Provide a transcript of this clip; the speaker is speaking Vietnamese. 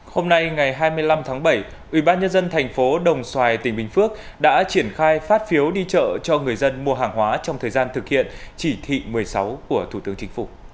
hôm nay ngày hai mươi năm tháng bảy ủy ban nhân dân thành phố đồng xoài tỉnh bình phước đã triển khai phát phiếu đi chợ cho người dân mua hàng hóa trong thời gian thực hiện chỉ thị một mươi sáu